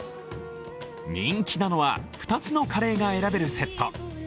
人気なのは２つのカレーが選べるセット